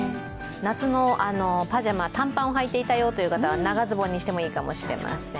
夏のパジャマ、短パンをはいていたよという方、長ズボンにしてもいいかもしれません。